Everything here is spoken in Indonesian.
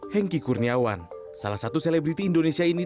hengki kurniawan salah satu selebriti indonesia ini